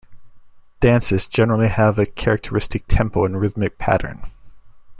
Dances generally have a characteristic tempo and rhythmic pattern.